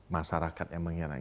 masyarakat yang mengira